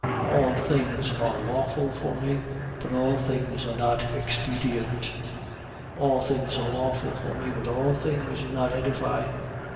All things are lawful for me: but all things are not expedient. 10:23. All things are lawful for me: but all things do not edify.